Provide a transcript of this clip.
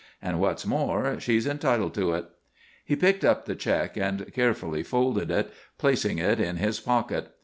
And what's more, she's entitled to it." He picked up the check and carefully folded it, placing it in his pocket.